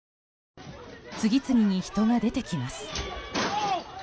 次々に人が出てきます。